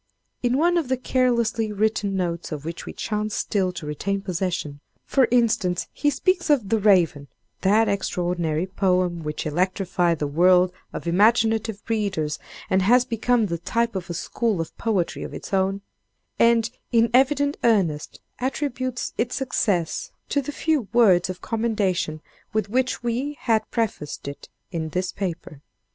In one of the carelessly written notes of which we chance still to retain possession, for instance, he speaks of "The Raven"—that extraordinary poem which electrified the world of imaginative readers, and has become the type of a school of poetry of its own—and, in evident earnest, attributes its success to the few words of commendation with which we had prefaced it in this paper.